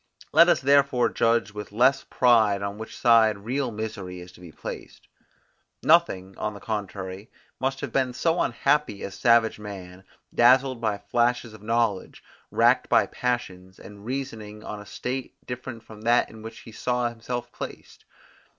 Let us therefore judge with less pride on which side real misery is to be placed. Nothing, on the contrary, must have been so unhappy as savage man, dazzled by flashes of knowledge, racked by passions, and reasoning on a state different from that in which he saw himself placed.